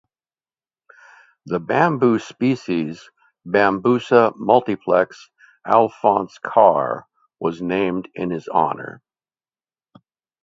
The bamboo species "Bambusa multiplex Alphonse Karr" was named in his honour.